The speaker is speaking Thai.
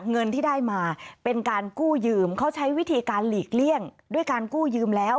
เงินที่ได้มาเป็นการกู้ยืมเขาใช้วิธีการหลีกเลี่ยงด้วยการกู้ยืมแล้ว